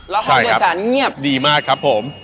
แล้วเผาโดยสารเงียบใช่ครับดีมากครับผม